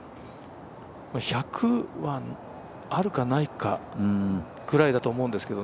１００はあるかないかぐらいだと思うんですけど。